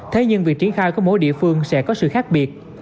thế nhưng việc triển khai của mỗi địa phương sẽ có sự khác biệt